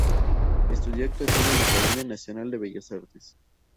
Estudió actuación en la Academia Nacional de Bellas Artes.